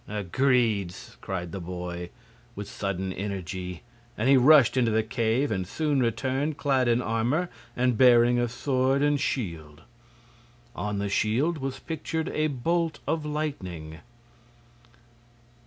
"Agreed!" cried the boy, with sudden energy, and he rushed into the cave and soon returned clad in armor and bearing a sword and shield. On the shield was pictured a bolt of lightning.